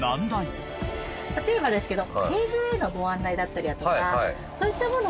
例えばですけど。